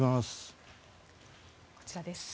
こちらです。